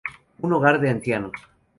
Un Hogar de Ancianos.